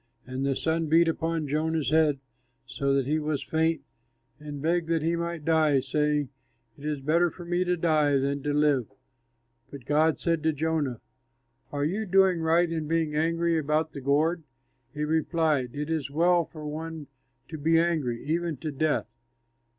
And the sun beat upon Jonah's head, so that he was faint and begged that he might die, saying, "It is better for me to die than to live." But God said to Jonah, "Are you doing right in being angry about the gourd?" He replied, "It is well for one to be angry, even to death!"